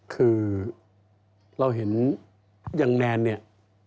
คือเราเห็นอย่างแนนเนี่ย